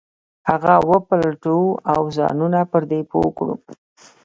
هغه وپلټو او ځانونه پر دې پوه کړو.